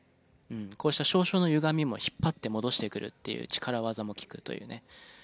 こうした少々のゆがみも引っ張って戻してくるっていう力技も利くというね。